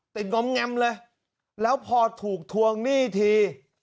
งอมแงมเลยแล้วพอถูกทวงหนี้ที